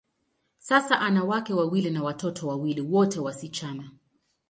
Sasa, ana wake wawili na watoto wawili, wote wasichana.